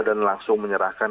dan langsung menyerahkan